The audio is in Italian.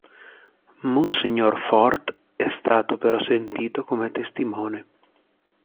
Monsignor Fort è stato però sentito come testimone.